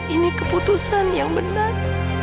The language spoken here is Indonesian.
ini keputusan yang benar